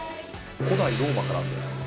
古代ローマからあるんだよ。